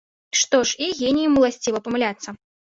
Што ж, і геніям уласціва памыляцца!